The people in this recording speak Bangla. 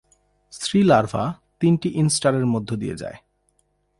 স্ত্রী লার্ভা তিনটি ইনস্টারের মধ্য দিয়ে যায়।